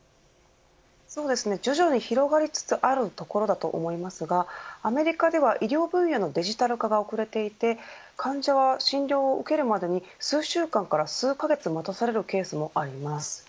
そうですね、徐々に広がりつつあるところだと思いますがアメリカでは医療分野のデジタル化が遅れていて患者は診療を受けるまでに数週間から数カ月待たされるケースもあります。